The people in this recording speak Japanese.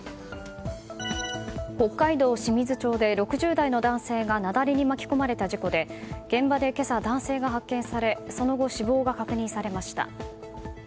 北海道清水町で６０代の男性が雪崩に巻き込まれた事故で現場で今朝、男性が発見されその後、死亡が確認されました。